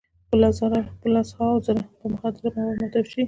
په لس هاوو زره یې په مخدره موادو معتاد شوي.